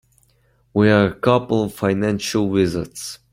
We're a couple of financial wizards.